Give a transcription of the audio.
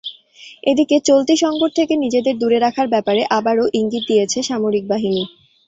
এদিকে চলতি সংকট থেকে নিজেদের দূরে রাখার ব্যাপারে আবারও ইঙ্গিত দিয়েছে সামরিক বাহিনী।